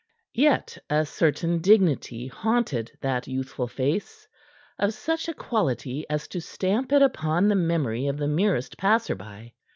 Yet a certain dignity haunted that youthful face, of such a quality as to stamp it upon the memory of the merest passer by.